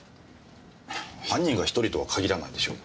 犯人が１人とは限らないでしょう。